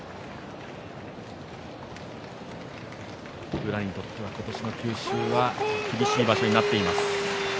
宇良にとっては今年の九州は厳しい場所になっています。